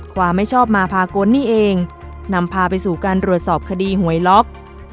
ความไม่ชอบมาพากลนี่เองนำพาไปสู่การรวดสอบคดีหวยล็อก